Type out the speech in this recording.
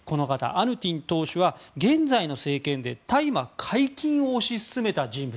アヌティン党首は現在の政権で大麻解禁を推し進めた人物。